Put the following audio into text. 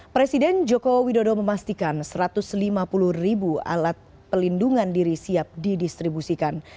presiden joko widodo memastikan satu ratus lima puluh ribu alat pelindungan diri siap didistribusikan